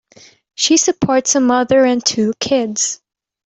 She supports a mother and two kids.